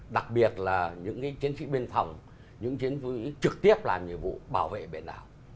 đặc biệt là những chiến sĩ biên phòng những chiến sĩ trực tiếp làm nhiệm vụ bảo vệ biển đảo